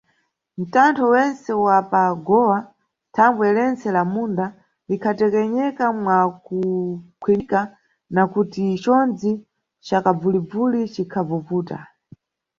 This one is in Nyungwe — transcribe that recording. Ntantho wentse wa pa gowa, thambwe lentse lammunda likhatekenyeka mwakukhwimika, nakuti conzi ca kabvumvuli cikhavuvuta.